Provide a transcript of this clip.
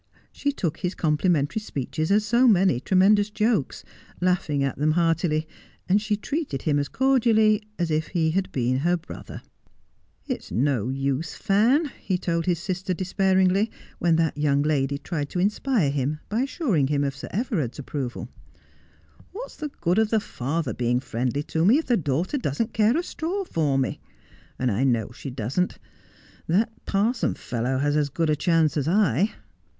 She took his complimentary speeches as so many tre mendous jokes, laughing at them heartily, and she treated him as cordially as if he had been her brother. ' It's no use, Fan,' he told his sister despairingly, when that young lady tried to inspire him by assuring him of Sir Everard's approval. ' What's the good of the father being friendly to me if the daughter doesn't care a straw for me 1 And I know she doesn't. That parson fellow has as good a chance as I.'